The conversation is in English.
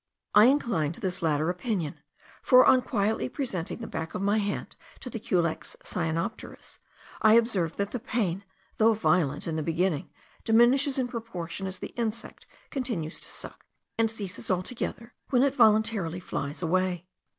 I incline to this latter opinion; for on quietly presenting the back of my hand to the Culex cyanopterus, I observed that the pain, though violent in the beginning, diminishes in proportion as the insect continues to suck, and ceases altogether when it voluntarily flies away.